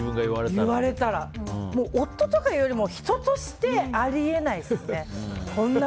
夫とかいうよりも人としてあり得ないですね。